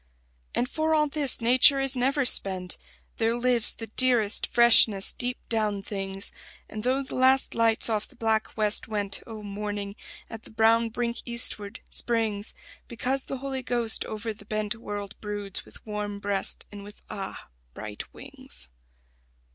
And for all this, nature is never spent; There lives the dearest freshness deep down things; And though the last lights off the black West went Oh, morning, at the brown brink eastward, springs Because the Holy Ghost over the bent World broods with warm breast and with ah! bright wings.